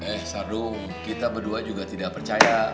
eh sadu kita berdua juga tidak percaya